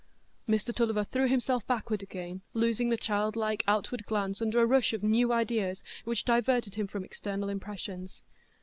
Mr Tulliver threw himself backward again, losing the childlike outward glance under a rush of new ideas, which diverted him from external impressions.